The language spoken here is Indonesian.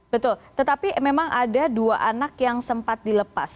betul tetapi memang ada dua anak yang sempat dilepas